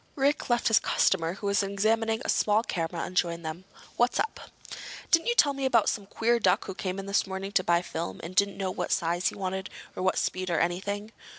Rick left his customer who was examining a small camera and joined them. "What's up?" "Didn't you tell me about some queer duck who came in this morning to buy film and didn't know what size he wanted or what speed or anything?"